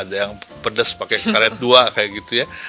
ada yang pedes pakai karet dua kayak gitu ya